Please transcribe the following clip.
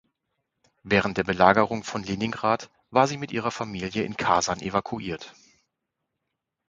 Während der Belagerung von Leningrad war sie mit ihrer Familie in Kasan evakuiert.